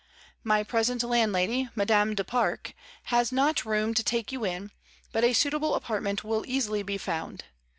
My present landlady, Madame du Pare, has not room to take you in, but a suitable apartment will easily be found.